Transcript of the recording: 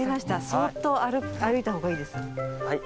そーっと歩いた方がいいです。